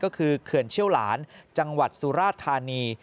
ก็คือเขื่อนเชี่ยวหลานจังหวัดสุราธานี